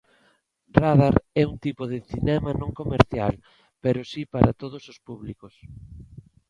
Radar é un tipo de cinema non comercial, pero si para todos os públicos.